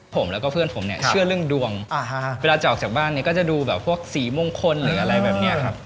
ผมแล้วก็เพื่อนผมเนี่ยเชื่อเรื่องดวงเวลาจะออกจากบ้านเนี่ยก็จะดูแบบพวกสีมงคลหรืออะไรแบบนี้ครับ